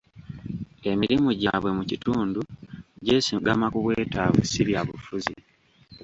Emirimu gyabwe mu kitundu gyesigama ku bwetaavu si bya bufuzi.